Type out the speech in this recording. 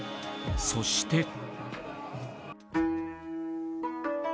そして。